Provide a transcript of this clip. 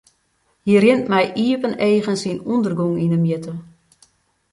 Hy rint mei iepen eagen syn ûndergong yn 'e mjitte.